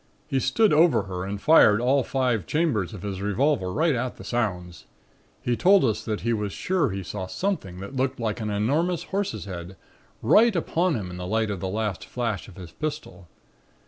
He stood over her and fired all five chambers of his revolver right at the sounds. He told us that he was sure he saw something that looked like an enormous horse's head, right upon him in the light of the last flash of his pistol.